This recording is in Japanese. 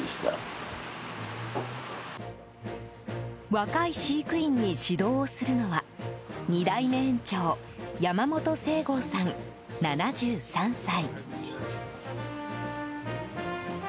若い飼育員に指導をするのは２代目園長山本清號さん、７３歳。